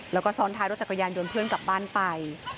แล้วก็ซ้อนท้ายรถจักรยานยนต์เพื่อนกลับบ้านไป